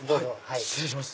失礼します。